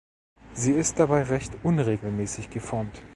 Sie ist dabei recht unregelmäßig geformt.